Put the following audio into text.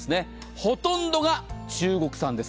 ほとんどが中国産です。